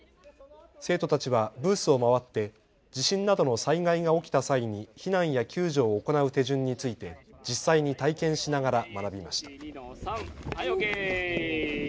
生徒たちはブースを回って地震などの災害が起きた際に避難や救助を行う手順について実際に体験しながら学びました。